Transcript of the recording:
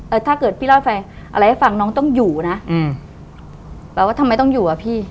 ถ้าเกิดพี่เล่าไฟอะไรให้ฟังน้องต้องอยู่นะอืมแปลว่าทำไมต้องอยู่อ่ะพี่